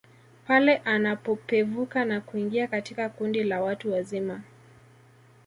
Pale anapopevuka na kuingia katika kundi la watu wazima